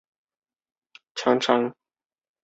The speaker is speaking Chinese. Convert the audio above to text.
富后拉讷夫维勒人口变化图示